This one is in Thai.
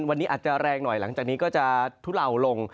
วันนี้อาจจะแรงหน่อยหลังจากนี้ก็จะทุเลาลง